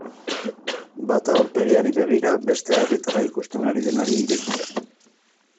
Bata aurpegira begira, bestea herritarra ikusten ari denari irekita.